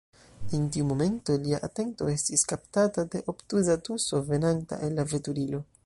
En tiu momento lia atento estis kaptata de obtuza tuso, venanta el la veturilo.